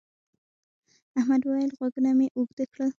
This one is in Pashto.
احمد وويل: غوږونه مې اوږده کړل.